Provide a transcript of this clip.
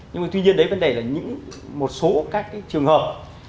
nhưng mà tuy nhiên đấy vấn đề là những một số các trường hợp